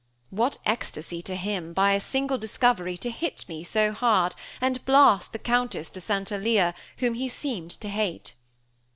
What ecstasy to him, by a single discovery, to hit me so hard, and blast the Countess de St. Alyre, whom he seemed to hate.